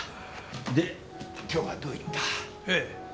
で今日はどういった？ええ。